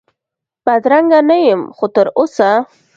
بدرنګه نه یم خو تراوسه،